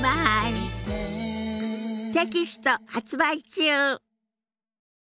テキスト発売中。